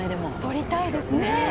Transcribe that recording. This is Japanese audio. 撮りたいですね